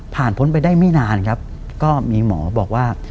พ้นไปได้ไม่นานครับก็มีหมอบอกว่า